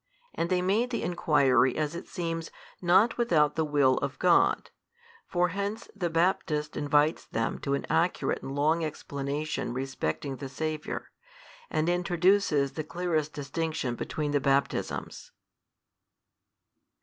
And they made the inquiry as it seems not without the Will of God: for hence the Baptist invites them to an accurate and long explanation respecting the Saviour, and introduces the clearest distinction between the baptisms.